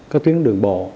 có tuyến đường bộ